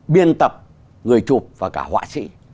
biên tập người chụp và cả họa sĩ